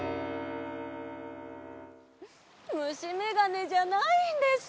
むしめがねじゃないんです。